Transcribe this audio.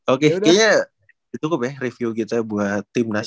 oke kayaknya cukup ya review kita buat timnas